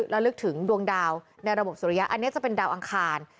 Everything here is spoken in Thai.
แล้วลึกถึงดวงดาวในระบบสุริยะอันนี้จะเป็นดาวอังคาร